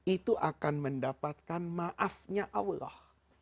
itu akan mendapatkan maafnya allah